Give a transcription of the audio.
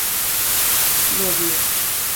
勒布永。